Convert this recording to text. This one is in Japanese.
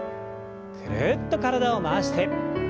ぐるっと体を回して。